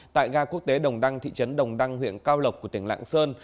tại ga quốc tế đồng đăng thị trấn đồng đăng huyện cao lộc của tỉnh lạng sơn